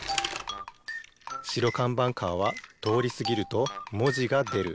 白かんばんカーはとおりすぎるともじがでる。